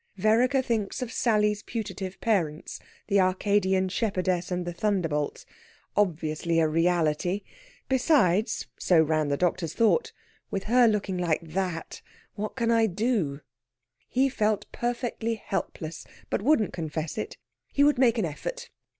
Vereker thinks of Sally's putative parents, the Arcadian shepherdess and the thunderbolt. Obviously a reality! Besides so ran the doctor's thought with her looking like that, what can I do? He felt perfectly helpless, but wouldn't confess it. He would make an effort.